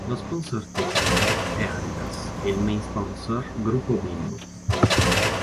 Lo sponsor tecnico è Adidas e il main sponsor Grupo Bimbo.